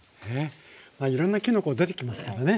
いろんなきのこ出てきますからね。